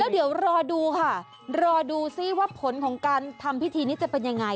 เดี๋ยวรอดูค่ะรอดูซิว่าผลของการทำพิธีนี้จะเป็นยังไง